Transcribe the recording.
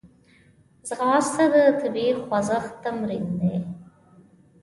ځغاسته د طبیعي خوځښت تمرین دی